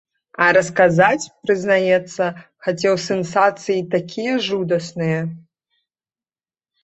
А расказаць, прызнаецца, хацеў сенсацыі такія жудасныя!